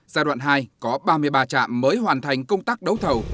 giai đoạn hai có ba mươi ba trạm mới hoàn thành công tác đấu thầu